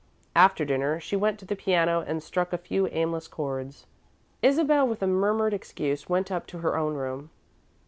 After dinner she went to the piano and struck a few aimless chords. Isabel, with a murmured excuse, went up to her own room.